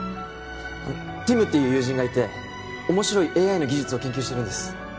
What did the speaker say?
ティムっていう友人がいて面白いＡＩの技術を研究してるんです